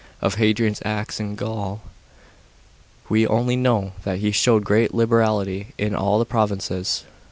§ 14. Of Hadrian's acts in Gaul we only know that he showed great liberality in all the provinces.